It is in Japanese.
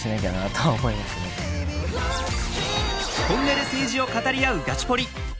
本音で政治を語り合う「ガチポリ！」。